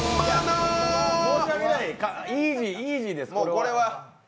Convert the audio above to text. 申し訳ない、イージーです、これは。